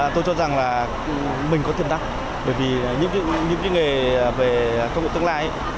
tôi cho rằng là mình có tiềm tắc bởi vì những nghề về công nghệ tương lai